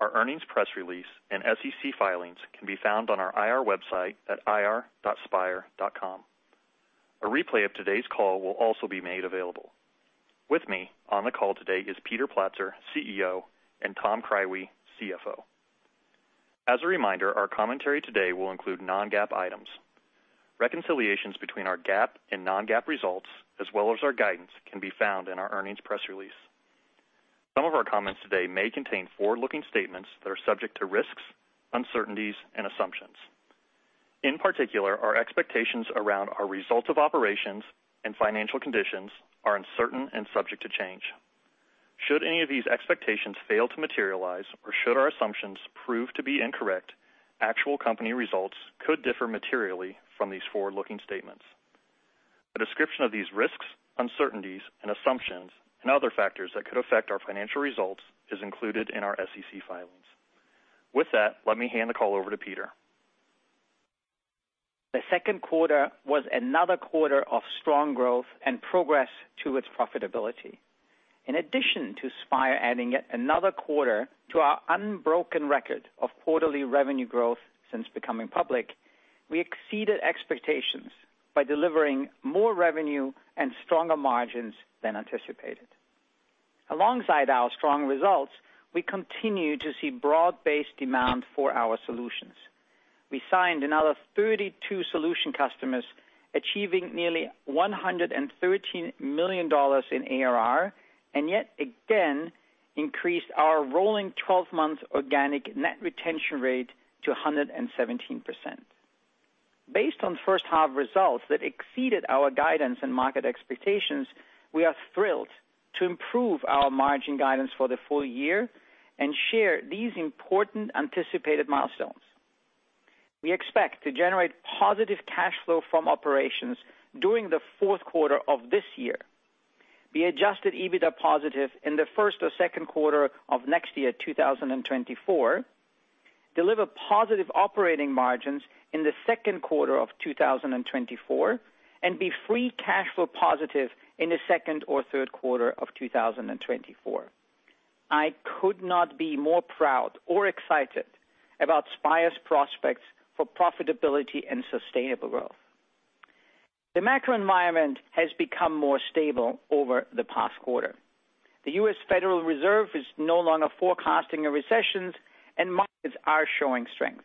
Our earnings, press release and SEC filings can be found on our IR website at ir.spire.com. A replay of today's call will also be made available. With me on the call today is Peter Platzer, CEO, and Tom Krywe, CFO. As a reminder, our commentary today will include non-GAAP items. Reconciliations between our GAAP and non-GAAP results, as well as our guidance, can be found in our earnings press release. Some of our comments today may contain forward-looking statements that are subject to risks, uncertainties and assumptions. In particular, our expectations around our results of operations and financial conditions are uncertain and subject to change. Should any of these expectations fail to materialize or should our assumptions prove to be incorrect, actual company results could differ materially from these forward-looking statements. A description of these risks, uncertainties and assumptions and other factors that could affect our financial results is included in our SEC filings. With that, let me hand the call over to Peter. The second quarter was another quarter of strong growth and progress to its profitability. Spire adding yet another quarter to our unbroken record of quarterly revenue growth since becoming public, we exceeded expectations by delivering more revenue and stronger margins than anticipated. Alongside our strong results, we continue to see broad-based demand for our solutions. We signed another 32 solution customers, achieving nearly $113 million in ARR, and yet again increased our rolling 12-month organic net retention rate to 117%. Based on first half results that exceeded our guidance and market expectations, we are thrilled to improve our margin guidance for the full year and share these important anticipated milestones. We expect to generate positive cash flow from operations during the fourth quarter of this year. Be Adjusted EBITDA positive in the first or second quarter of next year, 2024. Deliver positive operating margins in the second quarter of 2024, and be free cash flow positive in the second or third quarter of 2024. I could not be more proud or excited about Spire's prospects for profitability and sustainable growth. The macro environment has become more stable over the past quarter. The U.S. Federal Reserve is no longer forecasting a recession, and markets are showing strength.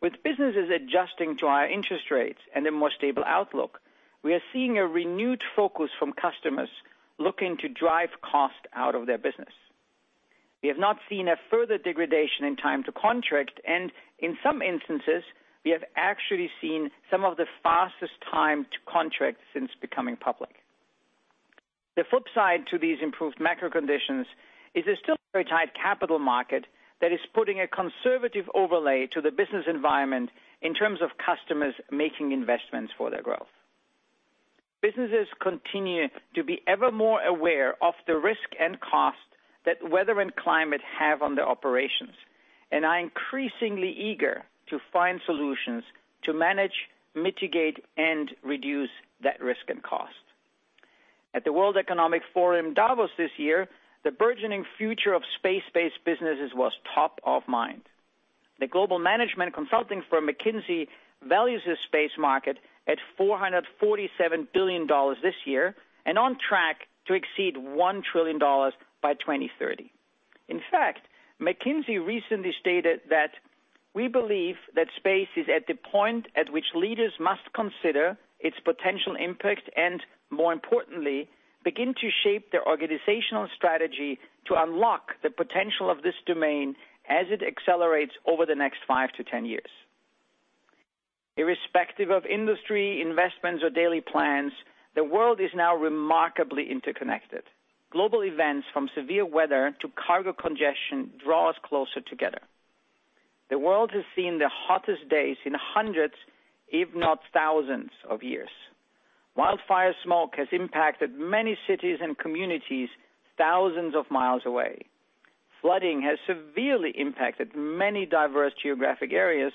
With businesses adjusting to our interest rates and a more stable outlook, we are seeing a renewed focus from customers looking to drive costs out of their business. We have not seen a further degradation in time to contract, and in some instances, we have actually seen some of the fastest time to contract since becoming public. The flip side to these improved macro conditions is a still very tight capital market that is putting a conservative overlay to the business environment in terms of customers making investments for their growth. Businesses continue to be ever more aware of the risk and cost that weather and climate have on their operations, and are increasingly eager to find solutions to manage, mitigate, and reduce that risk and cost. At the World Economic Forum in Davos this year, the burgeoning future of space-based businesses was top of mind. The global management consulting firm McKinsey values this space market at $447 billion this year, and on track to exceed $1 trillion by 2030. In fact, McKinsey recently stated that, "We believe that space is at the point at which leaders must consider its potential impact, and more importantly, begin to shape their organizational strategy to unlock the potential of this domain as it accelerates over the next five-10 years." Irrespective of industry, investments, or daily plans, the world is now remarkably interconnected. Global events, from severe weather to cargo congestion, draw us closer together. The world has seen the hottest days in hundreds, if not thousands of years. Wildfire smoke has impacted many cities and communities thousands of miles away. Flooding has severely impacted many diverse geographic areas,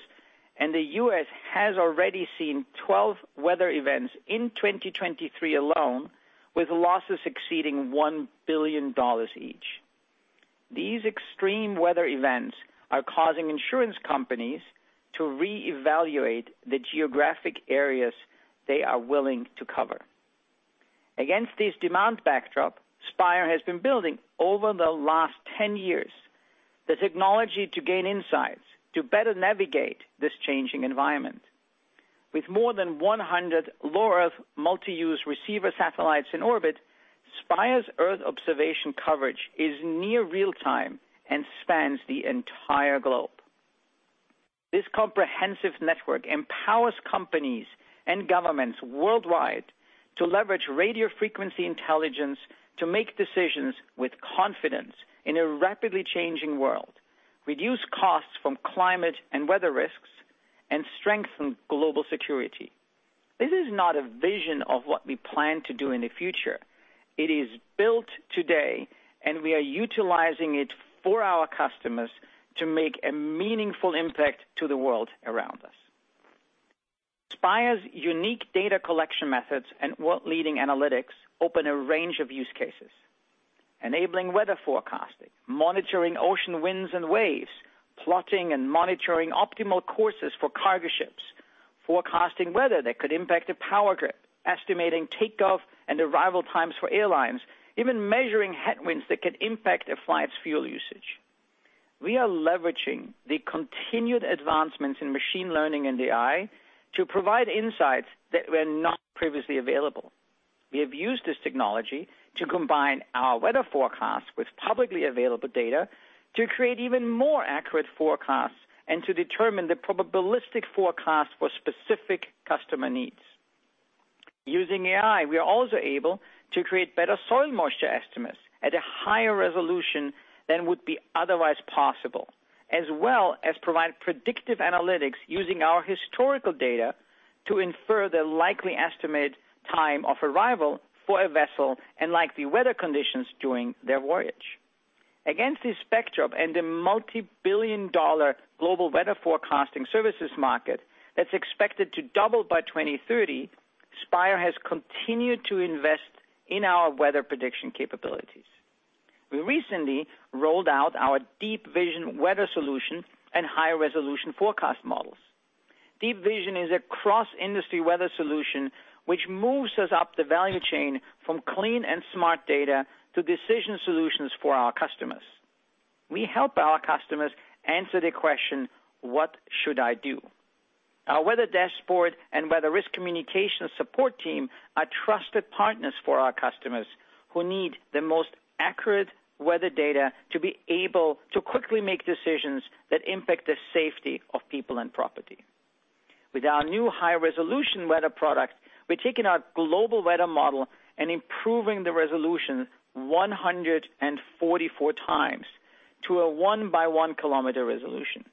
and the U.S. has already seen 12 weather events in 2023 alone, with losses exceeding $1 billion each. These extreme weather events are causing insurance companies to reevaluate the geographic areas they are willing to cover. Against this demand backdrop, Spire has been building over the last 10 years, the technology to gain insights to better navigate this changing environment. With more than 100 low-Earth, multi-use receiver satellites in orbit, Spire's Earth observation coverage is near real time and spans the entire globe. This comprehensive network empowers companies and governments worldwide to leverage radio frequency intelligence to make decisions with confidence in a rapidly changing world, reduce costs from climate and weather risks, and strengthen global security. This is not a vision of what we plan to do in the future. It is built today, and we are utilizing it for our customers to make a meaningful impact to the world around us. Spire's unique data collection methods and world-leading analytics open a range of use cases, enabling weather forecasting, monitoring ocean winds and waves, plotting and monitoring optimal courses for cargo ships, forecasting weather that could impact a power grid, estimating takeoff and arrival times for airlines, even measuring headwinds that can impact a flight's fuel usage. We are leveraging the continued advancements in machine learning and AI to provide insights that were not previously available. We have used this technology to combine our weather forecast with publicly available data to create even more accurate forecasts and to determine the probabilistic forecast for specific customer needs. Using AI, we are also able to create better soil moisture estimates at a higher resolution than would be otherwise possible, as well as provide predictive analytics using our historical data to infer the likely estimate time of arrival for a vessel and likely weather conditions during their voyage. Against this spectrum and the multi-billion dollar global weather forecasting services market that's expected to double by 2030, Spire has continued to invest in our weather prediction capabilities. We recently rolled out our Deep Vision weather solution and higher resolution forecast models. Deep Vision is a cross-industry weather solution, which moves us up the value chain from clean and smart data to decision solutions for our customers. We help our customers answer the question, "What should I do?" Our weather dashboard and weather risk communication support team are trusted partners for our customers who need the most accurate weather data to be able to quickly make decisions that impact the safety of people and property. With our new high-resolution weather product, we're taking our global weather model and improving the resolution 144 times to a 1x1-kilometer resolution.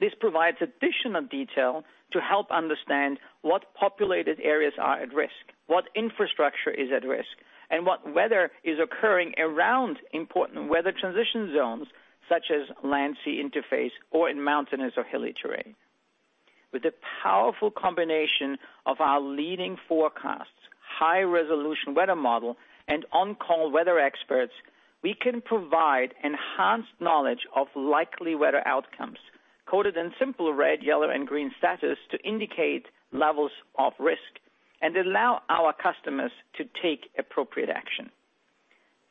This provides additional detail to help understand what populated areas are at risk, what infrastructure is at risk, and what weather is occurring around important weather transition zones, such as land-sea interface or in mountainous or hilly terrain. With the powerful combination of our leading forecasts, high-resolution weather model, and on-call weather experts, we can provide enhanced knowledge of likely weather outcomes, coded in simple red, yellow, and green status to indicate levels of risk and allow our customers to take appropriate action.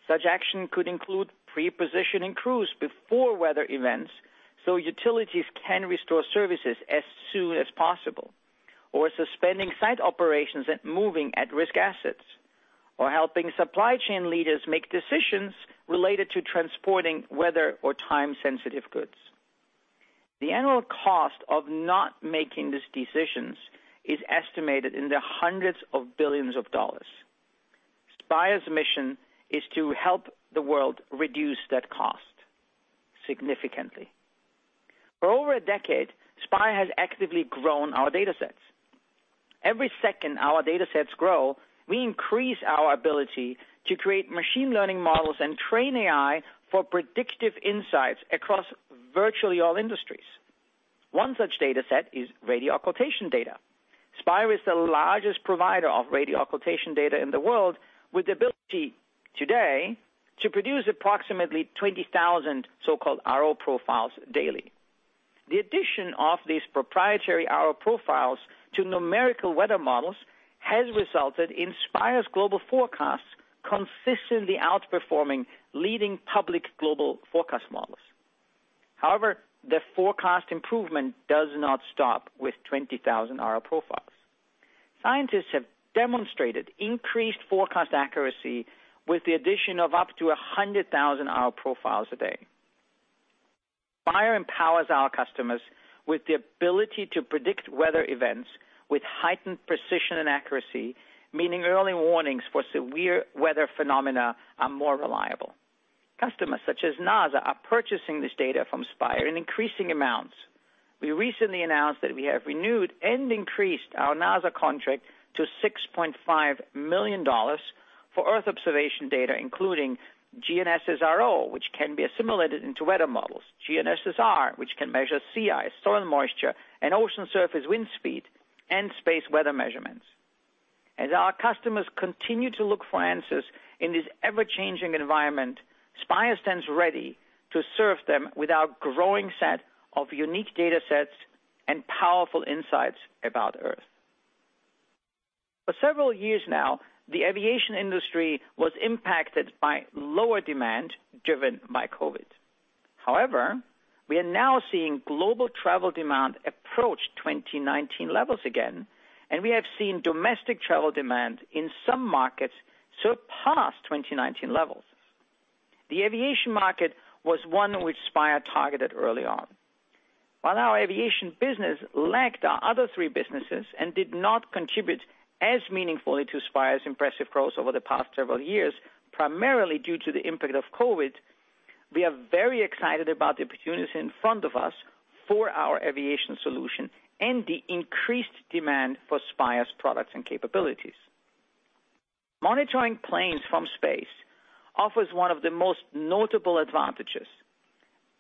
Such action could include pre-positioning crews before weather events, so utilities can restore services as soon as possible, or suspending site operations and moving at-risk assets, or helping supply chain leaders make decisions related to transporting weather or time-sensitive goods. The annual cost of not making these decisions is estimated in the hundreds of billions of dollars. Spire's mission is to help the world reduce that cost significantly. For over a decade, Spire has actively grown our datasets. Every second our datasets grow, we increase our ability to create machine learning models and train AI for predictive insights across virtually all industries. One such dataset is radio occultation data. Spire is the largest provider of radio occultation data in the world, with the ability today to produce approximately 20,000 so-called RO profiles daily. The addition of these proprietary RO profiles to numerical weather models has resulted in Spire's global forecasts consistently outperforming leading public global forecast models. However, the forecast improvement does not stop with 20,000 RO profiles. Scientists have demonstrated increased forecast accuracy with the addition of up to 100,000 RO profiles a day. Spire empowers our customers with the ability to predict weather events with heightened precision and accuracy, meaning early warnings for severe weather phenomena are more reliable. Customers such as NASA are purchasing this data from Spire in increasing amounts. We recently announced that we have renewed and increased our NASA contract to $6.5 million for Earth observation data, including GNSS-RO, which can be assimilated into weather models, GNSS-R, which can measure sea ice, soil moisture, and ocean surface wind speed, and space weather measurements. As our customers continue to look for answers in this ever-changing environment, Spire stands ready to serve them with our growing set of unique datasets and powerful insights about Earth. For several years now, the aviation industry was impacted by lower demand driven by COVID. However, we are now seeing global travel demand approach 2019 levels again, and we have seen domestic travel demand in some markets surpass 2019 levels. The aviation market was one which Spire targeted early on. While our aviation business lagged our other 3 businesses and did not contribute as meaningfully to Spire's impressive growth over the past several years, primarily due to the impact of COVID, we are very excited about the opportunities in front of us for our aviation solution and the increased demand for Spire's products and capabilities. Monitoring planes from space offers one of the most notable advantages,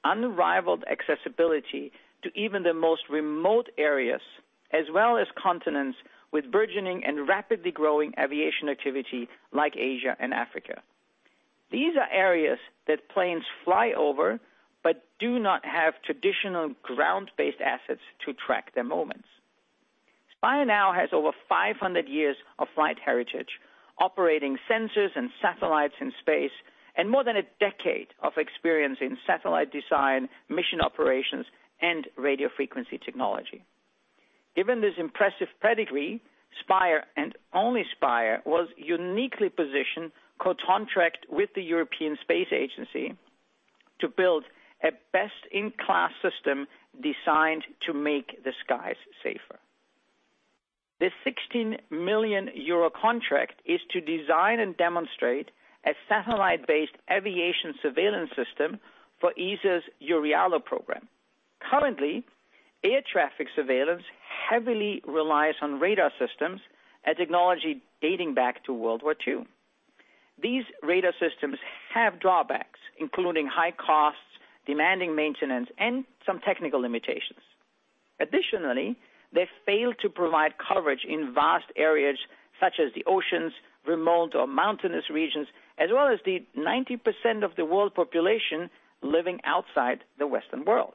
unrivaled accessibility to even the most remote areas, as well as continents with burgeoning and rapidly growing aviation activity like Asia and Africa. These are areas that planes fly over, but do not have traditional ground-based assets to track their movements. Spire now has over 500 years of flight heritage, operating sensors and satellites in space, and more than a decade of experience in satellite design, mission operations, and radio frequency technology. Given this impressive pedigree, Spire, and only Spire, was uniquely positioned, co-contracted with the European Space Agency, to build a best-in-class system designed to make the skies safer. This 16 million euro contract is to design and demonstrate a satellite-based aviation surveillance system for ESA's EURIALO program. Currently, air traffic surveillance heavily relies on radar systems, a technology dating back to World War II. These radar systems have drawbacks, including high costs, demanding maintenance, and some technical limitations. Additionally, they fail to provide coverage in vast areas such as the oceans, remote or mountainous regions, as well as the 90% of the world population living outside the Western world.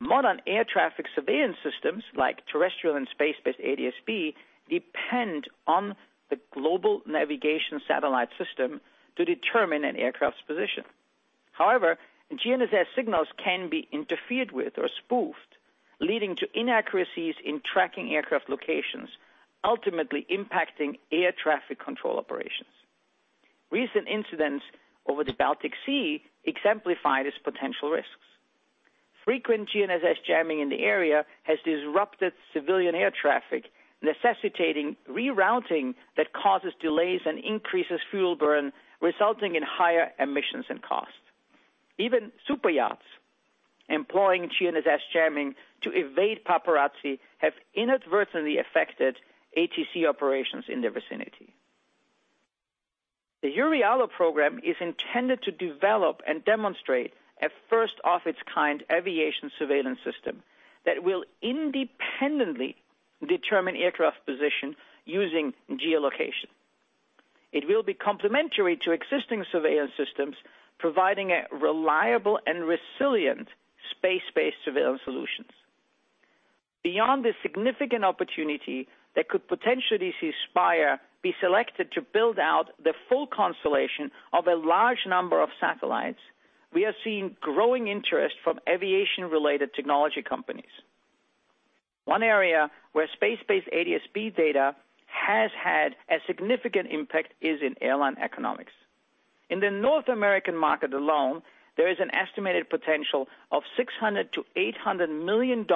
Modern air traffic surveillance systems, like terrestrial and space-based ADS-B, depend on the Global Navigation Satellite System to determine an aircraft's position. However, GNSS signals can be interfered with or spoofed, leading to inaccuracies in tracking aircraft locations, ultimately impacting ATC operations. Recent incidents over the Baltic Sea exemplify these potential risks. Frequent GNSS jamming in the area has disrupted civilian air traffic, necessitating rerouting that causes delays and increases fuel burn, resulting in higher emissions and costs. Even super yachts employing GNSS jamming to evade paparazzi have inadvertently affected ATC operations in their vicinity. The EURIALO program is intended to develop and demonstrate a first-of-its-kind aviation surveillance system that will independently determine aircraft position using geolocation. It will be complementary to existing surveillance systems, providing a reliable and resilient space-based surveillance solutions. Beyond this significant opportunity that could potentially see Spire be selected to build out the full constellation of a large number of satellites, we are seeing growing interest from aviation-related technology companies. One area where space-based ADS-B data has had a significant impact is in airline economics. In the North American market alone, there is an estimated potential of $600 million-$800 million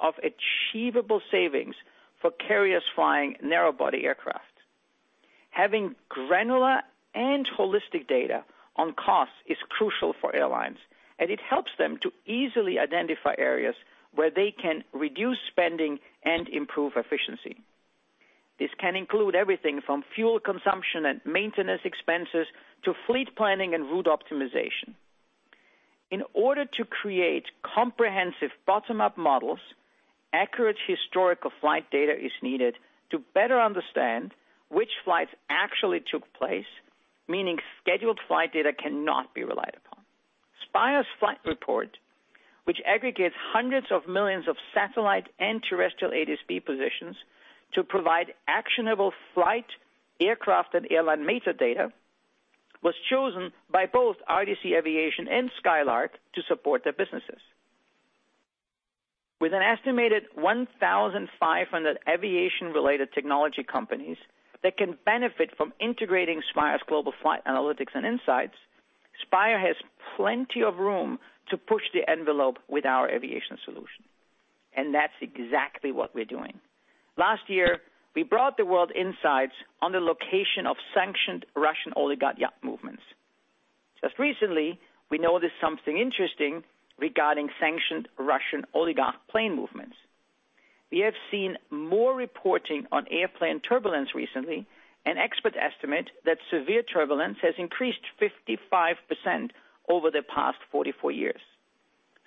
of achievable savings for carriers flying narrow-body aircraft. Having granular and holistic data on costs is crucial for airlines, and it helps them to easily identify areas where they can reduce spending and improve efficiency. This can include everything from fuel consumption and maintenance expenses to fleet planning and route optimization. In order to create comprehensive bottom-up models, accurate historical flight data is needed to better understand which flights actually took place, meaning scheduled flight data cannot be relied upon. Spire's flight report, which aggregates hundreds of millions of satellite and terrestrial ADS-B positions to provide actionable flight, aircraft, and airline metadata, was chosen by both RDC Aviation and Skylark to support their businesses. With an estimated 1,500 aviation-related technology companies that can benefit from integrating Spire's global flight analytics and insights, Spire has plenty of room to push the envelope with our aviation solution, and that's exactly what we're doing. Last year, we brought the world insights on the location of sanctioned Russian oligarch yacht movements. Just recently, we noticed something interesting regarding sanctioned Russian oligarch plane movements. We have seen more reporting on airplane turbulence recently, and experts estimate that severe turbulence has increased 55% over the past 44 years.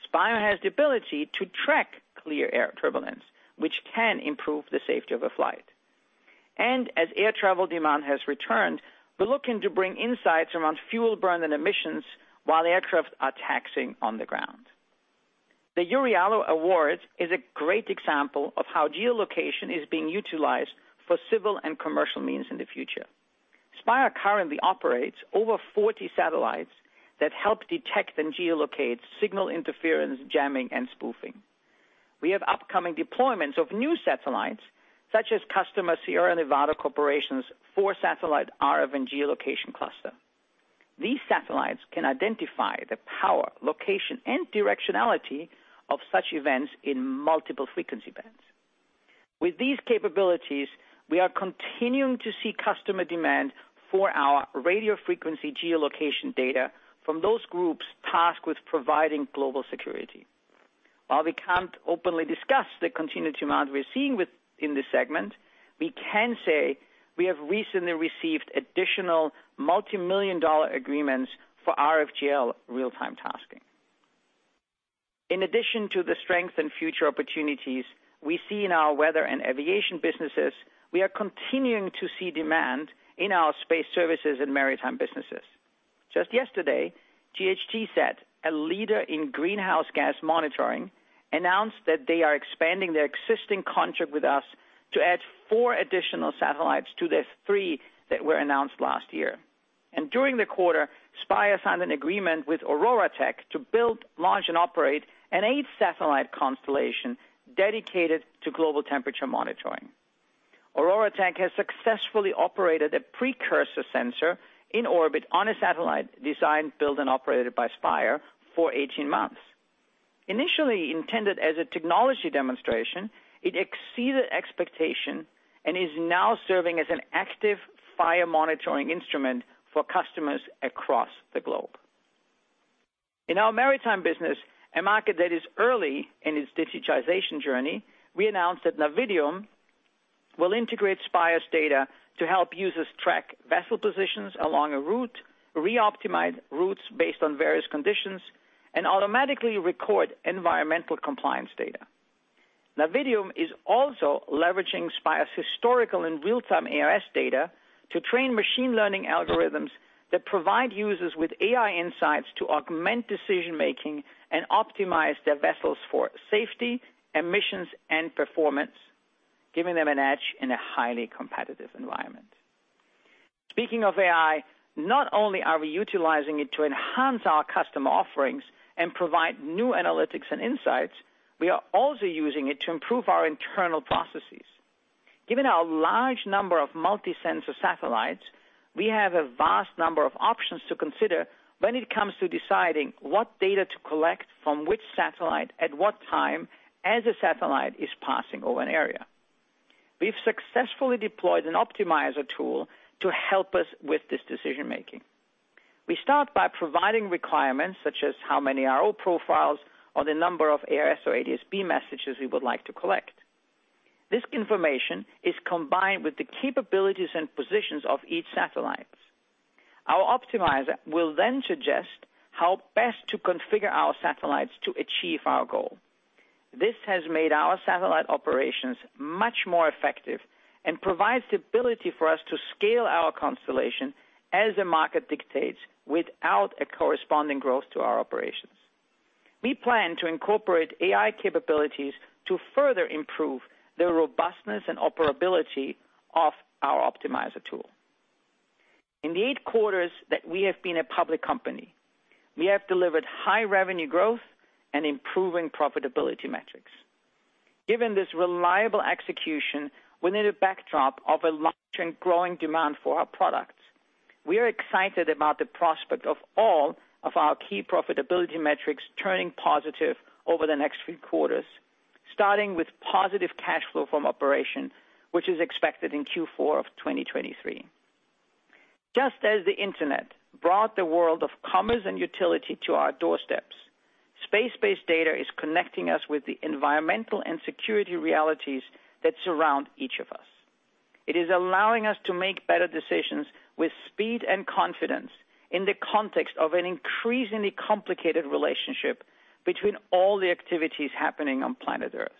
Spire has the ability to track clear air turbulence, which can improve the safety of a flight. As air travel demand has returned, we're looking to bring insights around fuel burn and emissions while aircraft are taxiing on the ground. The EURIALO Awards is a great example of how geolocation is being utilized for civil and commercial means in the future. Spire currently operates over 40 satellites that help detect and geolocate signal interference, jamming, and spoofing. We have upcoming deployments of new satellites, such as customer Sierra Nevada Corporation's 4-satellite RF and geolocation cluster. These satellites can identify the power, location, and directionality of such events in multiple frequency bands. With these capabilities, we are continuing to see customer demand for our radio frequency geolocation data from those groups tasked with providing global security. While we can't openly discuss the continued demand we're seeing in this segment, we can say we have recently received additional multimillion-dollar agreements for RFGL real-time tasking. In addition to the strength and future opportunities we see in our weather and aviation businesses, we are continuing to see demand in our space services and maritime businesses. Just yesterday, GHGSat, a leader in greenhouse gas monitoring, announced that they are expanding their existing contract with us to add four additional satellites to the three that were announced last year. During the quarter, Spire signed an agreement with OroraTech to build, launch, and operate an eight-satellite constellation dedicated to global temperature monitoring. OroraTech has successfully operated a precursor sensor in orbit on a satellite designed, built, and operated by Spire for 18 months. Initially intended as a technology demonstration, it exceeded expectation and is now serving as an active fire-monitoring instrument for customers across the globe. In our maritime business, a market that is early in its digitization journey, we announced that Navidium will integrate Spire's data to help users track vessel positions along a route, reoptimize routes based on various conditions, and automatically record environmental compliance data. Navidium is also leveraging Spire's historical and real-time AIS data to train machine learning algorithms that provide users with AI insights to augment decision-making and optimize their vessels for safety, emissions, and performance, giving them an edge in a highly competitive environment. Speaking of AI, not only are we utilizing it to enhance our customer offerings and provide new analytics and insights, we are also using it to improve our internal processes. Given our large number of multi-sensor satellites, we have a vast number of options to consider when it comes to deciding what data to collect from which satellite, at what time, as a satellite is passing over an area. We've successfully deployed an optimizer tool to help us with this decision-making. We start by providing requirements, such as how many RO profiles or the number of AIS or ADS-B messages we would like to collect. This information is combined with the capabilities and positions of each satellite. Our optimizer will then suggest how best to configure our satellites to achieve our goal. This has made our satellite operations much more effective and provides the ability for us to scale our constellation as the market dictates, without a corresponding growth to our operations. We plan to incorporate AI capabilities to further improve the robustness and operability of our optimizer tool. In the eight quarters that we have been a public company, we have delivered high revenue growth and improving profitability metrics. Given this reliable execution, within a backdrop of a long-term growing demand for our products, we are excited about the prospect of all of our key profitability metrics turning positive over the next few quarters, starting with positive cash flow from operation, which is expected in Q4 of 2023. Just as the internet brought the world of commerce and utility to our doorsteps, space-based data is connecting us with the environmental and security realities that surround each of us. It is allowing us to make better decisions with speed and confidence in the context of an increasingly complicated relationship between all the activities happening on planet Earth.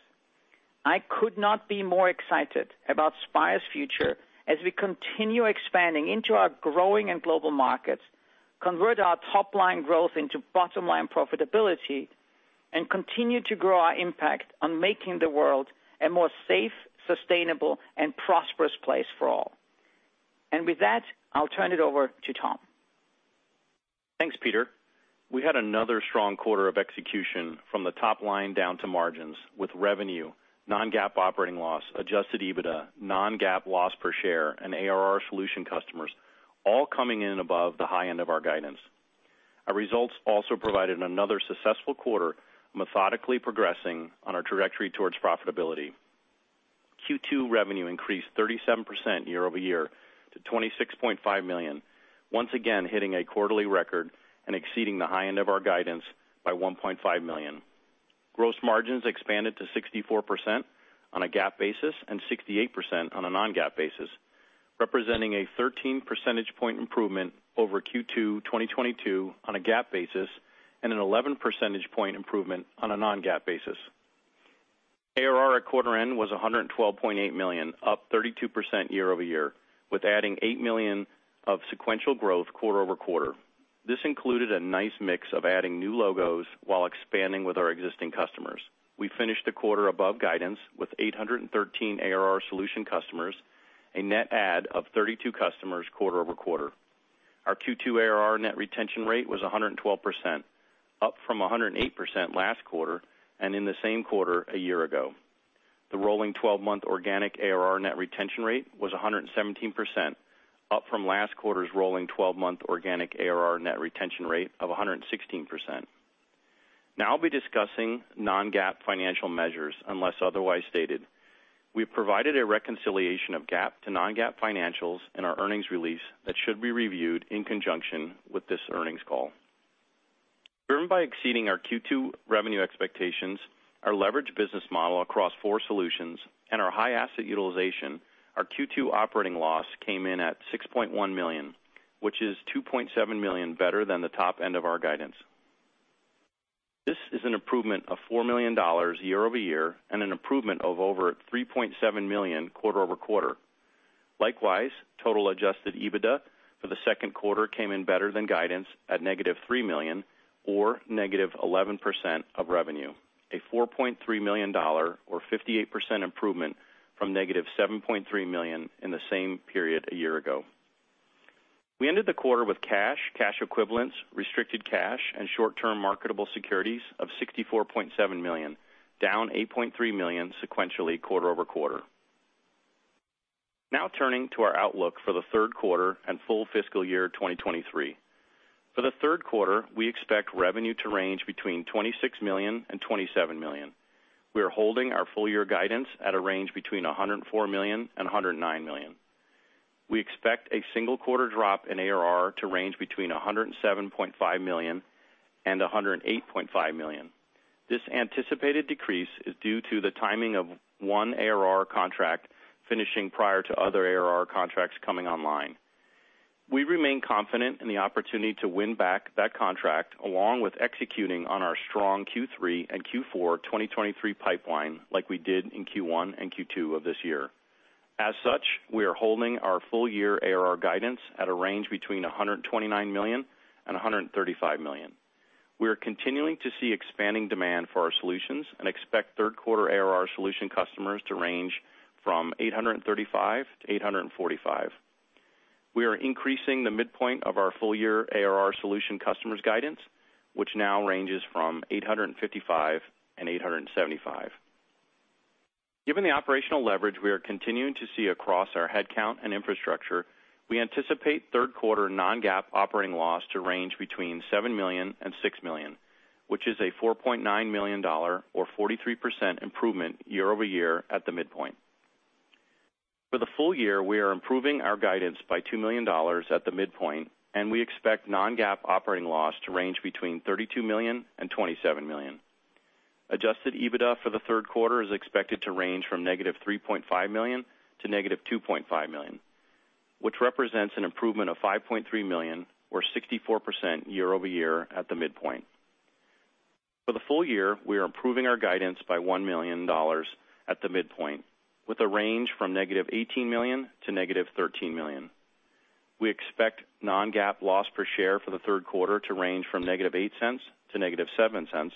I could not be more excited about Spire's future as we continue expanding into our growing and global markets, convert our top-line growth into bottom-line profitability, and continue to grow our impact on making the world a more safe, sustainable, and prosperous place for all. With that, I'll turn it over to Tom. Thanks, Peter. We had another strong quarter of execution from the top line down to margins, with revenue, non-GAAP operating loss, Adjusted EBITDA, non-GAAP loss per share, and ARR solution customers all coming in above the high end of our guidance. Our results also provided another successful quarter, methodically progressing on our trajectory towards profitability. Q2 revenue increased 37% year-over-year to $26.5 million, once again hitting a quarterly record and exceeding the high end of our guidance by $1.5 million. Gross margins expanded to 64% on a GAAP basis and 68% on a non-GAAP basis, representing a 13-percentage-point improvement over Q2 2022 on a GAAP basis, and an 11-percentage point improvement on a non-GAAP basis. ARR at quarter end was $112.8 million, up 32% year-over-year, with adding $8 million of sequential growth quarter-over-quarter. This included a nice mix of adding new logos while expanding with our existing customers. We finished the quarter above guidance with 813 ARR solution customers, a net add of 32 customers quarter-over-quarter. Our Q2 ARR net retention rate was 112%, up from 108% last quarter, and in the same quarter a year ago. The rolling twelve-month organic ARR net retention rate was 117%, up from last quarter's rolling twelve-month organic ARR net retention rate of 116%. I'll be discussing non-GAAP financial measures, unless otherwise stated. We've provided a reconciliation of GAAP to non-GAAP financials in our earnings release that should be reviewed in conjunction with this earnings call. Driven by exceeding our Q2 revenue expectations, our leverage business model across four solutions, and our high asset utilization, our Q2 operating loss came in at $6.1 million, which is $2.7 million better than the top end of our guidance. This is an improvement of $4 million year-over-year and an improvement of over $3.7 million quarter-over-quarter. Likewise, total Adjusted EBITDA for the second quarter came in better than guidance at -$3 million or -11% of revenue, a $4.3 million or 58% improvement from -$7.3 million in the same period a year ago. We ended the quarter with cash, cash equivalents, restricted cash, and short-term marketable securities of $64.7 million, down 8.3 million sequentially quarter-over-quarter. Now turning to our outlook for the third quarter and full fiscal year 2023. For the third quarter, we expect revenue to range between $26 million and 27 million. We are holding our full year guidance at a range between $104 million and $109 million. We expect a single quarter drop in ARR to range between $107.5 million and $108.5 million. This anticipated decrease is due to the timing of one ARR contract finishing prior to other ARR contracts coming online. We remain confident in the opportunity to win back that contract, along with executing on our strong Q3 and Q4 2023 pipeline, like we did in Q1 and Q2 of this year. As such, we are holding our full year ARR guidance at a range between $129 million and135 million. We are continuing to see expanding demand for our solutions and expect third quarter ARR solution customers to range from 835 to 845. We are increasing the midpoint of our full year ARR solution customers guidance, which now ranges from 855 and 875. Given the operational leverage we are continuing to see across our headcount and infrastructure, we anticipate third quarter non-GAAP operating loss to range between $7 million and $6 million, which is a $4.9 million or 43% improvement year-over-year at the midpoint. For the full year, we are improving our guidance by $2 million at the midpoint, we expect non-GAAP operating loss to range between $32 million and 27 million. Adjusted EBITDA for the third quarter is expected to range from -$3.5 million to -2.5 million, which represents an improvement of $5.3 million or 64% year-over-year at the midpoint. For the full year, we are improving our guidance by $1 million at the midpoint, with a range from -$18 million to -13 million. We expect non-GAAP loss per share for the third quarter to range from -$0.08 to -$0.07,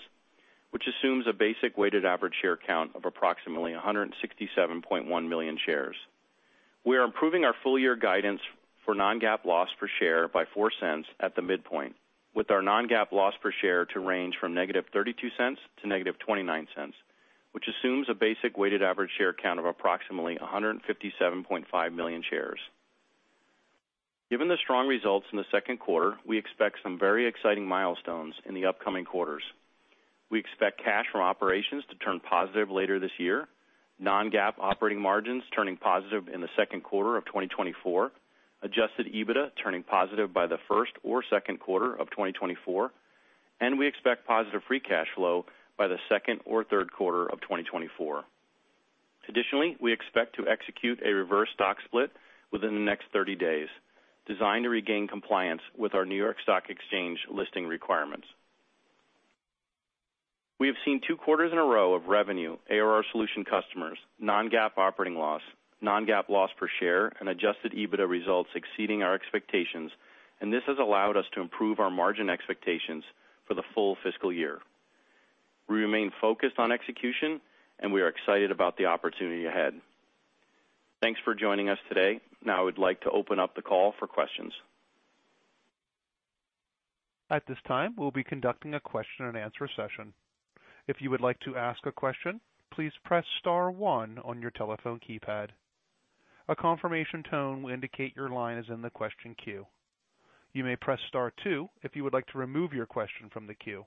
which assumes a basic weighted average share count of approximately 167.1 million shares. We are improving our full year guidance for non-GAAP loss per share by $0.04 at the midpoint, with our non-GAAP loss per share to range from -$0.32 to -$0.29, which assumes a basic weighted average share count of approximately 157.5 million shares. Given the strong results in the second quarter, we expect some very exciting milestones in the upcoming quarters. We expect cash from operations to turn positive later this year, non-GAAP operating margins turning positive in the second quarter of 2024, Adjusted EBITDA turning positive by the first or second quarter of 2024. We expect positive free cash flow by the second or third quarter of 2024. Additionally, we expect to execute a reverse stock split within the next 30 days, designed to regain compliance with our New York Stock Exchange listing requirements. We have seen 2 quarters in a row of revenue, ARR solution customers, non-GAAP operating loss, non-GAAP loss per share, and Adjusted EBITDA results exceeding our expectations. This has allowed us to improve our margin expectations for the full fiscal year. We remain focused on execution. We are excited about the opportunity ahead. Thanks for joining us today. I would like to open up the call for questions. At this time, we'll be conducting a question and answer session. If you would like to ask a question, please press star one on your telephone keypad. A confirmation tone will indicate your line is in the question queue. You may press Star two if you would like to remove your question from the queue.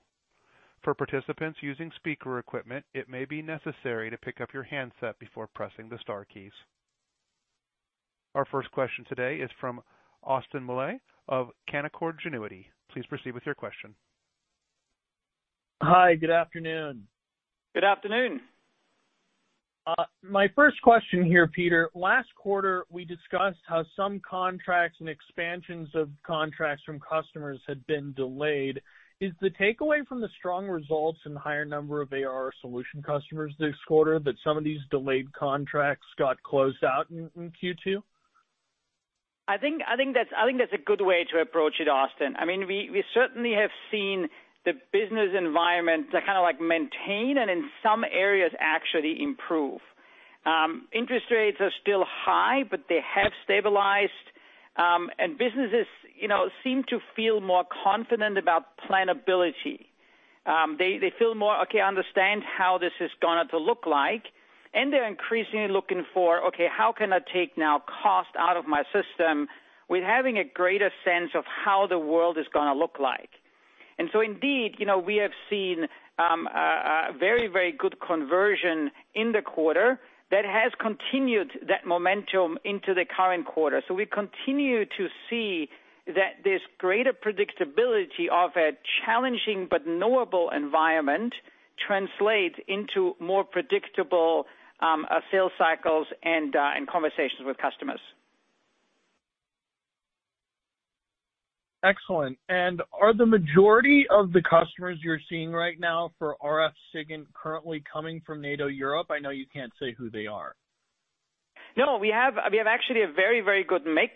For participants using speaker equipment, it may be necessary to pick up your handset before pressing the star keys. Our first question today is from Austin Moeller of Canaccord Genuity. Please proceed with your question. Hi, good afternoon. Good afternoon. My first question here, Peter. Last quarter, we discussed how some contracts and expansions of contracts from customers had been delayed. Is the takeaway from the strong results and higher number of ARR solution customers this quarter, that some of these delayed contracts got closed out in Q2? I think, I think that's, I think that's a good way to approach it, Austin. I mean, we, we certainly have seen the business environment to kind of like, maintain and in some areas actually improve. Interest rates are still high, but they have stabilized, and businesses, you know, seem to feel more confident about plannability. They, they feel more, okay, I understand how this is going to look like, and they're increasingly looking for, okay, how can I take now cost out of my system with having a greater sense of how the world is gonna look like? Indeed, you know, we have seen a very, very good conversion in the quarter that has continued that momentum into the current quarter. We continue to see that this greater predictability of a challenging but knowable environment translates into more predictable sales cycles and conversations with customers. Excellent. Are the majority of the customers you're seeing right now for RF SIGINT currently coming from NATO Europe? I know you can't say who they are. No, we have, we have actually a very, very good mix,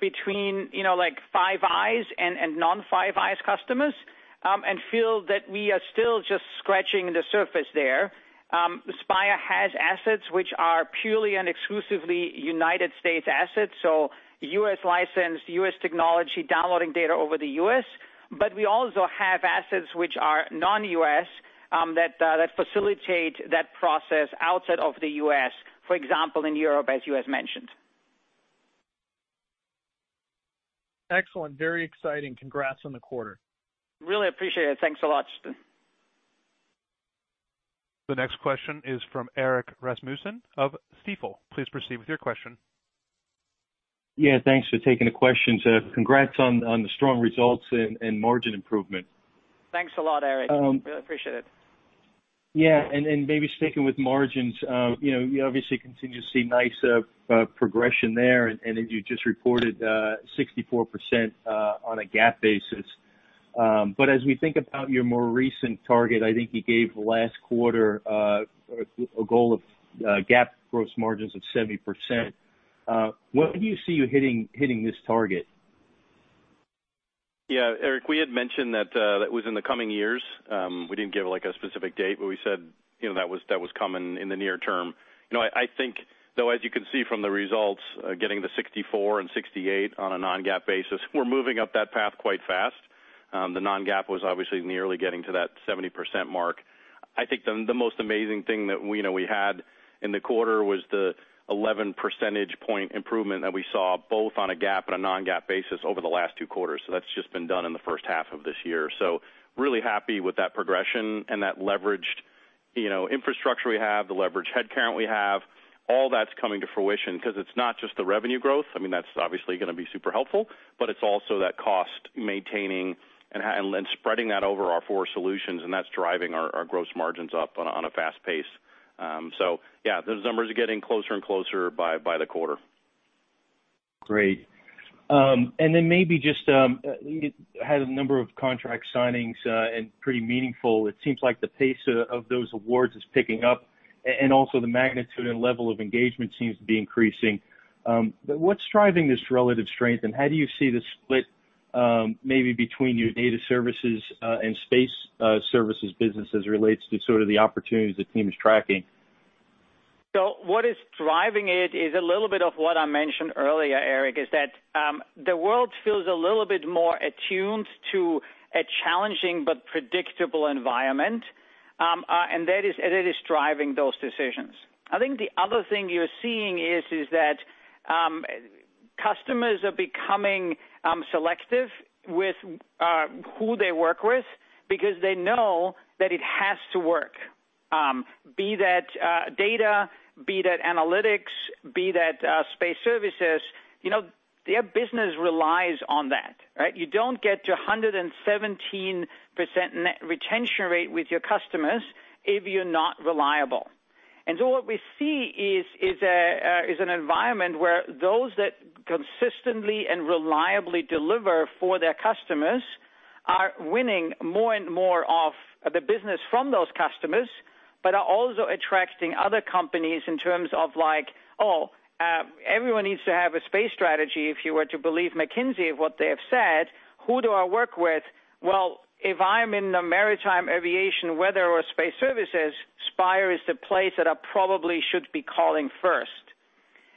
between, you know, like, Five Eyes and non-Five Eyes customers, and feel that we are still just scratching the surface there. Spire has assets which are purely and exclusively United States assets, so U.S. licensed, U.S. technology, downloading data over the U.S. We also have assets which are non-U.S., that, that facilitate that process outside of the U.S., for example, in Europe, as you have mentioned. Excellent. Very exciting. Congrats on the quarter. Really appreciate it. Thanks a lot, Austin. The next question is from Erik Rasmussen of Stifel. Please proceed with your question. Yeah, thanks for taking the question. Congrats on the strong results and margin improvement. Thanks a lot, Erik. Really appreciate it. Yeah, maybe sticking with margins, you know, you obviously continue to see nice progression there, and you just reported 64% on a GAAP basis. As we think about your more recent target, I think you gave last quarter a goal of GAAP gross margins of 70%. When do you see you hitting this target? Yeah, Erik, we had mentioned that that was in the coming years. We didn't give, like, a specific date, but we said, you know, that was, that was coming in the near term. You know, I, I think, though, as you can see from the results, getting to 64 and 68 on a non-GAAP basis, we're moving up that path quite fast. The non-GAAP was obviously nearly getting to that 70% mark. I think the, the most amazing thing that, you know, we had in the quarter was the 11 percentage point improvement that we saw, both on a GAAP and a non-GAAP basis over the last two quarters. That's just been done in the first half of this year. Really happy with that progression and that leveraged, you know, infrastructure we have, the leveraged headcount we have, all that's coming to fruition because it's not just the revenue growth. I mean, that's obviously going to be super helpful, but it's also that cost maintaining and, and spreading that over our 4 solutions, and that's driving our, our gross margins up on a, on a fast pace. So yeah, those numbers are getting closer and closer by, by the quarter. Great. Then maybe just, you had a number of contract signings, and pretty meaningful. It seems like the pace of, of those awards is picking up, and also the magnitude and level of engagement seems to be increasing. What's driving this relative strength, and how do you see the split, maybe between your data services, and space, services businesses as it relates to sort of the opportunities the team is tracking? What is driving it is a little bit of what I mentioned earlier, Erik, is that the world feels a little bit more attuned to a challenging but predictable environment. That is, and it is driving those decisions. I think the other thing you're seeing is, is that customers are becoming selective with who they work with because they know that it has to work. Be that data, be that analytics, be that space services, you know, their business relies on that, right? You don't get to a 117% net retention rate with your customers if you're not reliable. What we see is, is a, is an environment where those that consistently and reliably deliver for their customers are winning more and more of the business from those customers, but are also attracting other companies in terms of like, Oh, everyone needs to have a space strategy, if you were to believe McKinsey, what they have said. Who do I work with? Well, if I'm in the maritime, aviation, weather or space services, Spire is the place that I probably should be calling first.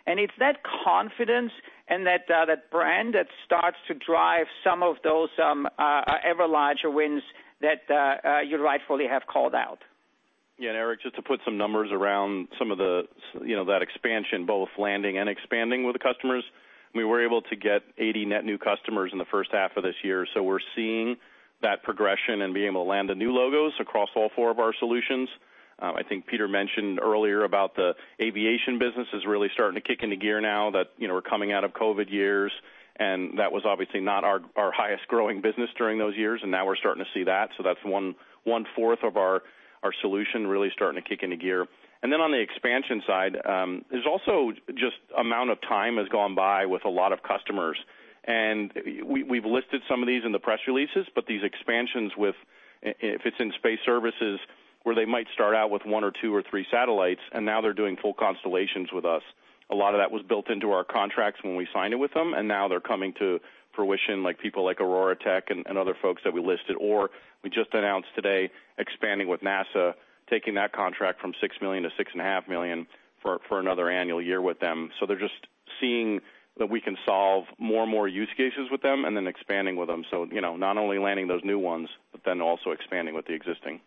It's that confidence and that, that brand that starts to drive some of those, ever larger wins that, you rightfully have called out. Yeah, Erik, just to put some numbers around some of the, you know, that expansion, both landing and expanding with the customers. We were able to get 80 net new customers in the first half of this year, we're seeing that progression and being able to land the new logos across all four of our solutions. I think Peter Platzer mentioned earlier about the aviation business is really starting to kick into gear now that, you know, we're coming out of COVID years, that was obviously not our, our highest growing business during those years, now we're starting to see that. That's one, one-fourth of our, our solution really starting to kick into gear. Then on the expansion side, there's also just amount of time has gone by with a lot of customers. We, we've listed some of these in the press releases, but these expansions if it's in space services, where they might start out with one or two or three satellites, and now they're doing full constellations with us. A lot of that was built into our contracts when we signed it with them, and now they're coming to fruition, like people like OroraTech and other folks that we listed. We just announced today, expanding with NASA, taking that contract from $6 million to 6.5 million for, for another annual year with them. They're just seeing that we can solve more and more use cases with them and then expanding with them. You know, not only landing those new ones, but then also expanding with the existing.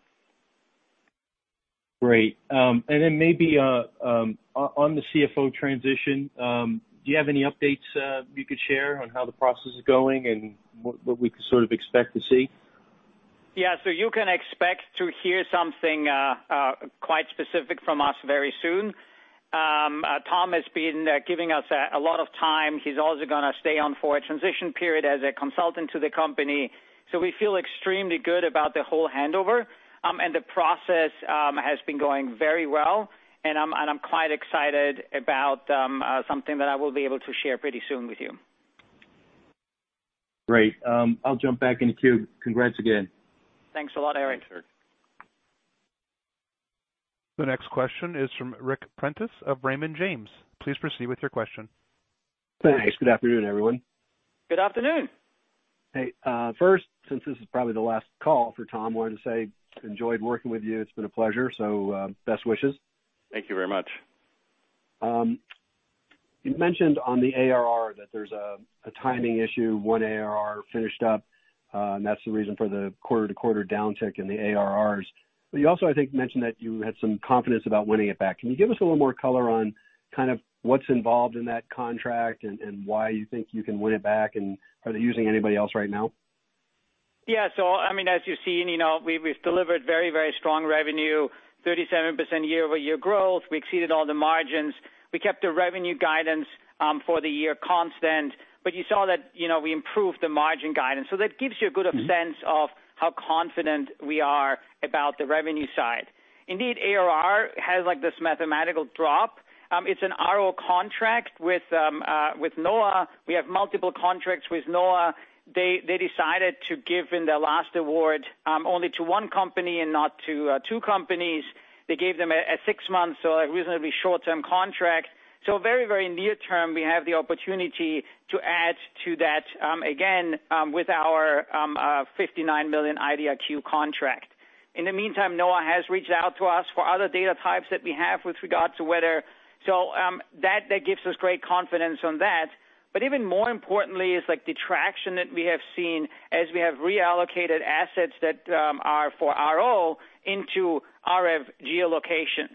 Great. Maybe on the CFO transition, do you have any updates you could share on how the process is going and what, what we could sort of expect to see? Yeah. You can expect to hear something quite specific from us very soon. Tom has been giving us a lot of time. He's also gonna stay on for a transition period as a consultant to the company. We feel extremely good about the whole handover, and the process has been going very well. I'm quite excited about something that I will be able to share pretty soon with you. Great. I'll jump back in the queue. Congrats again. Thanks a lot, Erik. Sure. The next question is from Ric Prentiss of Raymond James. Please proceed with your question. Thanks. Good afternoon, everyone. Good afternoon. Hey, first, since this is probably the last call for Tom, I wanted to say enjoyed working with you. It's been a pleasure, so, best wishes. Thank you very much. You mentioned on the ARR that there's a timing issue, 1 ARR finished up, and that's the reason for the quarter-over-quarter downtick in the ARRs. You also, I think, mentioned that you had some confidence about winning it back. Can you give us a little more color on kind of what's involved in that contract and, and why you think you can win it back? Are they using anybody else right now? Yeah. I mean, as you've seen, you know, we've, we've delivered very, very strong revenue, 37% year-over-year growth. We exceeded all the margins. We kept the revenue guidance for the year constant, but you saw that, you know, we improved the margin guidance. That gives you a good sense of how confident we are about the revenue side. Indeed, ARR has, like, this mathematical drop. It's an RO contract with NOAA. We have multiple contracts with NOAA. They, they decided to give in their last award only to one company and not to two companies. They gave them a six months, so a reasonably short-term contract. Very, very near term, we have the opportunity to add to that again with our $59 million IDIQ contract. In the meantime, NOAA has reached out to us for other data types that we have with regard to weather. That, that gives us great confidence on that. Even more importantly is, like, the traction that we have seen as we have reallocated assets that are for RO into RF geolocation.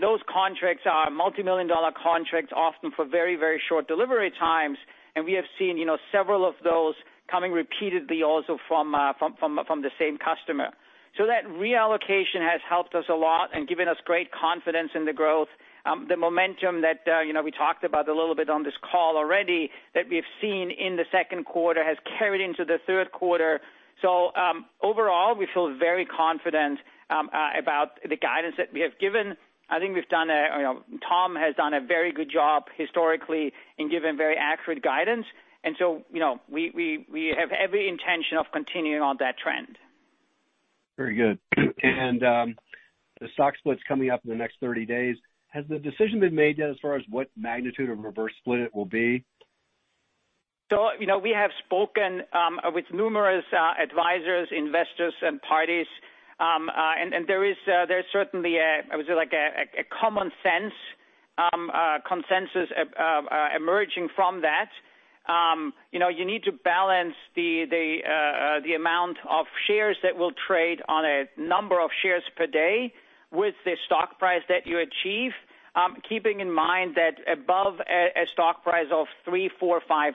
Those contracts are multimillion-dollar contracts, often for very, very short delivery times, and we have seen, you know, several of those coming repeatedly also from the same customer. That reallocation has helped us a lot and given us great confidence in the growth. The momentum that, you know, we talked about a little bit on this call already, that we've seen in the second quarter, has carried into the third quarter. Overall, we feel very confident about the guidance that we have given. I think we've done. You know, Tom has done a very good job historically in giving very accurate guidance, and so, you know, we have every intention of continuing on that trend. Very good. The stock split's coming up in the next 30 days. Has the decision been made yet as far as what magnitude of reverse split it will be? You know, we have spoken with numerous advisors, investors and parties, and there's certainly a, I would say, like a common sense consensus emerging from that. You know, you need to balance the amount of shares that will trade on a number of shares per day with the stock price that you achieve. Keeping in mind that above a stock price of $3, 4, 5,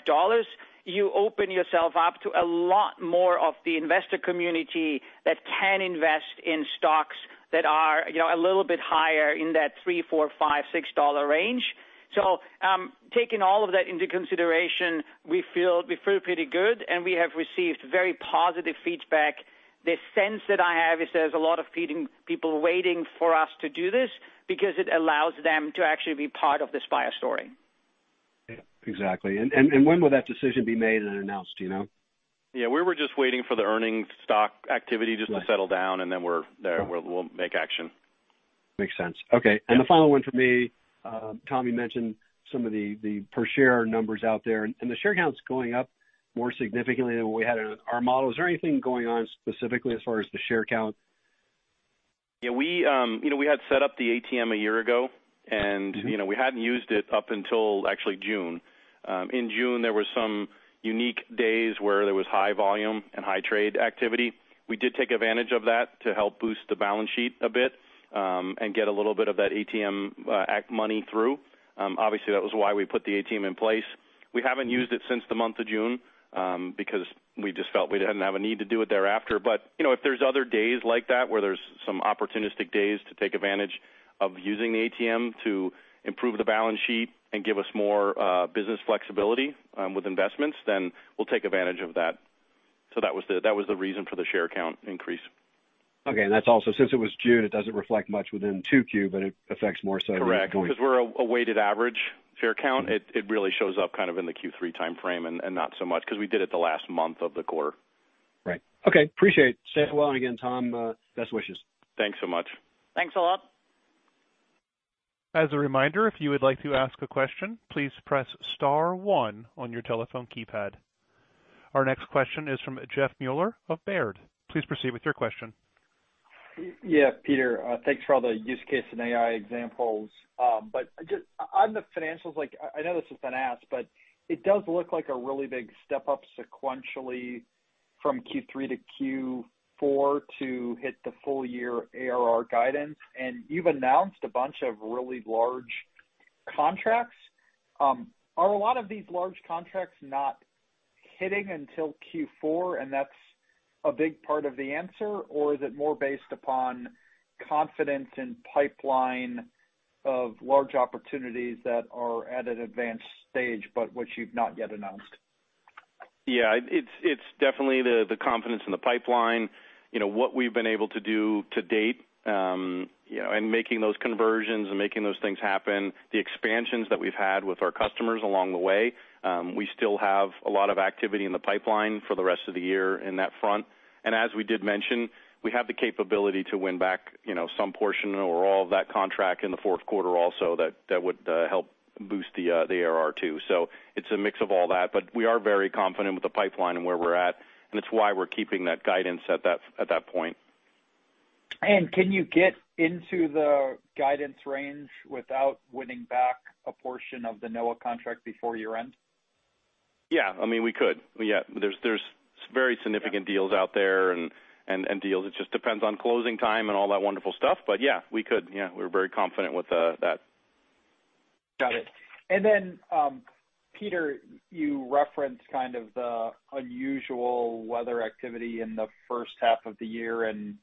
you open yourself up to a lot more of the investor community that can invest in stocks that are, you know, a little bit higher in that $3, 4, 5, 6 range. Taking all of that into consideration, we feel pretty good, and we have received very positive feedback. The sense that I have is there's a lot of people waiting for us to do this because it allows them to actually be part of this buyer story. Yeah, exactly. When will that decision be made and announced, do you know? Yeah, we were just waiting for the earnings stock activity just to settle down, and then we're there. We'll make action. Makes sense. Okay. Yeah. The final one for me, Tom, you mentioned some of the, the per share numbers out there, and the share count's going up more significantly than what we had in our model. Is there anything going on specifically as far as the share count? Yeah, we, you know, we had set up the ATM a year ago.. And, you know, we hadn't used it up until actually June. In June, there were some unique days where there was high volume and high trade activity. We did take advantage of that to help boost the balance sheet a bit, and get a little bit of that ATM act money through. Obviously, that was why we put the ATM in place. We haven't used it since the month of June, because we just felt we didn't have a need to do it thereafter. you know, if there's other days like that, where there's some opportunistic days to take advantage of using the ATM to improve the balance sheet and give us more business flexibility, with investments, then we'll take advantage of that. That was the, that was the reason for the share count increase. Okay. That's also, since it was June, it doesn't reflect much within 2Q, it affects more. Correct. Because we're a weighted average share count, it really shows up kind of in the Q3 timeframe and not so much, because we did it the last month of the quarter. Right. Okay, appreciate it. Say hello again, Tom. Best wishes. Thanks so much. Thanks a lot. As a reminder, if you would like to ask a question, please press star one on your telephone keypad. Our next question is from Jeff Meuler of Baird. Please proceed with your question. Yeah, Peter, thanks for all the use case and AI examples. Just on the financials, like I, I know this has been asked, but it does look like a really big step up sequentially from Q3 to Q4 to hit the full year ARR guidance, and you've announced a bunch of really large contracts. Are a lot of these large contracts not hitting until Q4, and that's a big part of the answer? Is it more based upon confidence in pipeline of large opportunities that are at an advanced stage, but which you've not yet announced? Yeah, it's, it's definitely the, the confidence in the pipeline. You know, what we've been able to do to date, you know, and making those conversions and making those things happen, the expansions that we've had with our customers along the way, we still have a lot of activity in the pipeline for the rest of the year in that front. As we did mention, we have the capability to win back, you know, some portion or all of that contract in the fourth quarter also, that, that would help boost the ARR too. It's a mix of all that, but we are very confident with the pipeline and where we're at, and it's why we're keeping that guidance at that, at that point. Can you get into the guidance range without winning back a portion of the NOAA contract before year-end? Yeah. I mean, we could. Yeah. There's, there's very significant deals out there and, and, and deals. It just depends on closing time and all that wonderful stuff. Yeah, we could. Yeah, we're very confident with that. Got it. Then, Peter, you referenced kind of the unusual weather activity in the first half of the year and,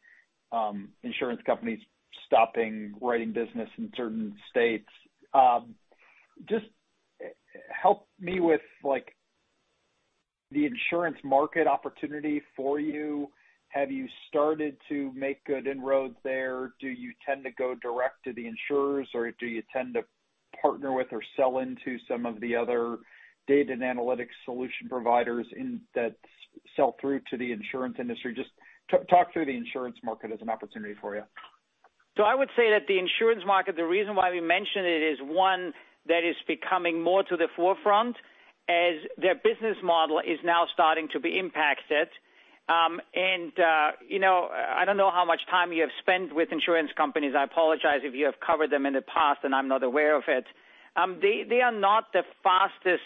insurance companies stopping writing business in certain states. Just help me with, like, the insurance market opportunity for you. Have you started to make good inroads there? Do you tend to go direct to the insurers, or do you tend to partner with or sell into some of the other data and analytics solution providers that sell through to the insurance industry? Just talk through the insurance market as an opportunity for you. I would say that the insurance market, the reason why we mention it, is, one, that it's becoming more to the forefront as their business model is now starting to be impacted. You know, I don't know how much time you have spent with insurance companies. I apologize if you have covered them in the past, and I'm not aware of it. They, they are not the fastest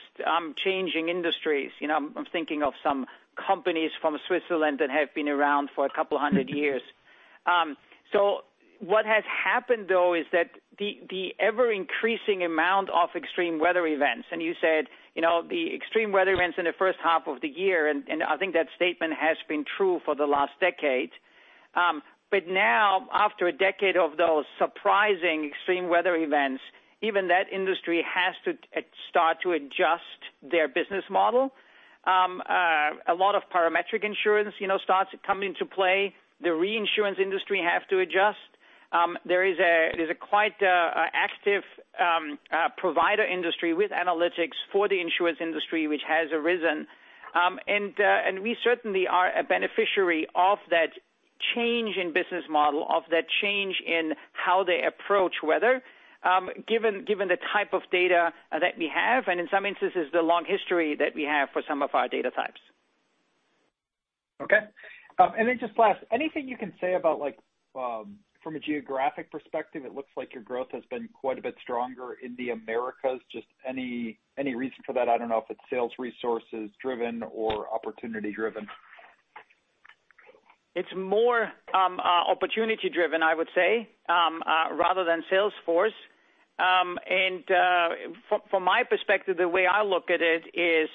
changing industries. You know, I'm thinking of some companies from Switzerland that have been around for a couple hundred years. What has happened, though, is that the ever-increasing amount of extreme weather events, and you said, you know, the extreme weather events in the first half of the year, and, and I think that statement has been true for the last decade. Now, after a decade of those surprising extreme weather events, even that industry has to start to adjust their business model. A lot of parametric insurance, you know, starts to come into play. The reinsurance industry have to adjust. There's a quite active provider industry with analytics for the insurance industry, which has arisen. We certainly are a beneficiary of that change in business model, of that change in how they approach weather, given, given the type of data that we have, and in some instances, the long history that we have for some of our data types. Okay. Then just last, anything you can say about, like, from a geographic perspective, it looks like your growth has been quite a bit stronger in the Americas. Just any, any reason for that? I don't know if it's sales resources driven or opportunity driven. It's more opportunity driven, I would say, rather than sales force. From, from my perspective, the way I look at it is,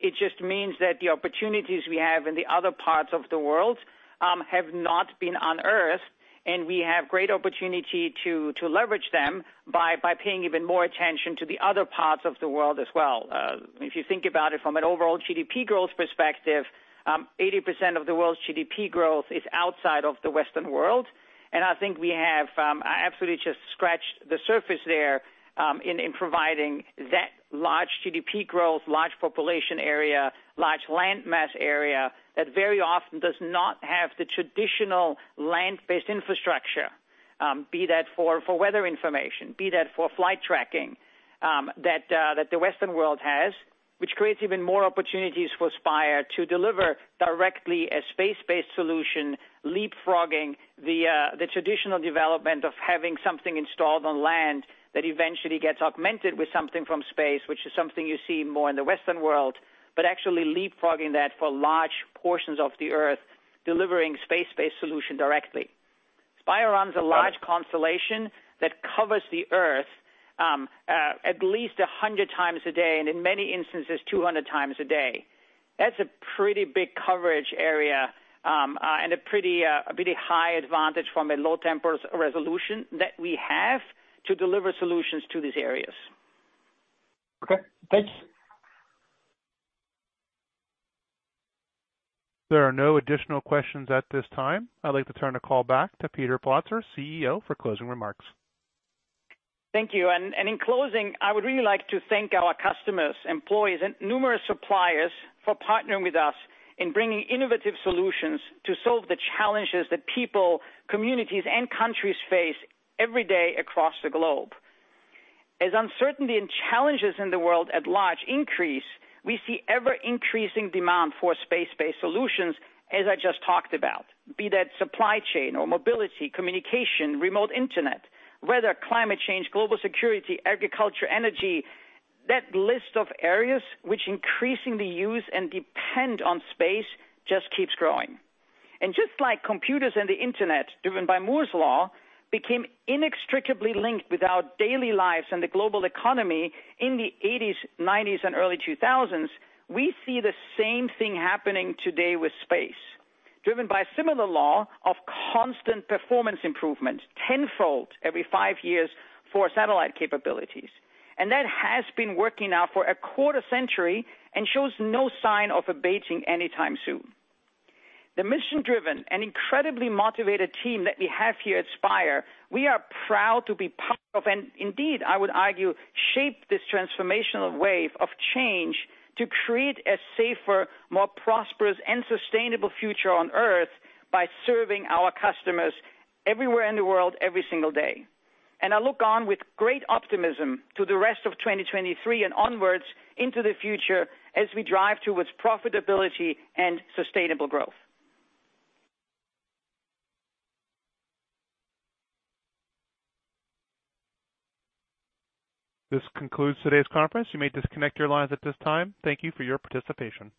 it just means that the opportunities we have in the other parts of the world have not been on Earth, and we have great opportunity to, to leverage them by, by paying even more attention to the other parts of the world as well. If you think about it from an overall GDP growth perspective, 80% of the world's GDP growth is outside of the Western world. I think we have absolutely just scratched the surface there, in, in providing that large GDP growth, large population area, large land mass area, that very often does not have the traditional land-based infrastructure. Be that for, for weather information, be that for flight tracking, that the Western world has, which creates even more opportunities for Spire to deliver directly a space-based solution, leapfrogging the traditional development of having something installed on land that eventually gets augmented with something from space, which is something you see more in the Western world. Actually leapfrogging that for large portions of the Earth, delivering space-based solution directly. Spire runs a large constellation that covers the Earth, at least 100 times a day, and in many instances, 200 times a day. That's a pretty big coverage area, and a pretty high advantage from a low temporal resolution that we have to deliver solutions to these areas. Okay, thanks. There are no additional questions at this time. I'd like to turn the call back to Peter Platzer, CEO, for closing remarks. Thank you. In closing, I would really like to thank our customers, employees, and numerous suppliers for partnering with us in bringing innovative solutions to solve the challenges that people, communities, and countries face every day across the globe. As uncertainty and challenges in the world at large increase, we see ever-increasing demand for space-based solutions, as I just talked about. Be that supply chain or mobility, communication, remote internet, weather, climate change, global security, agriculture, energy. That list of areas which increasingly use and depend on space just keeps growing. Just like computers and the internet, driven by Moore's law, became inextricably linked with our daily lives and the global economy in the eighties, nineties, and early 2000s, we see the same thing happening today with space. Driven by a similar law of constant performance improvement, tenfold every five years, for satellite capabilities. That has been working now for a quarter century and shows no sign of abating anytime soon. The mission-driven and incredibly motivated team that we have here at Spire, we are proud to be part of, and indeed, I would argue, shape this transformational wave of change to create a safer, more prosperous and sustainable future on Earth by serving our customers everywhere in the world, every single day. I look on with great optimism to the rest of 2023 and onwards into the future as we drive towards profitability and sustainable growth. This concludes today's conference. You may disconnect your lines at this time. Thank you for your participation.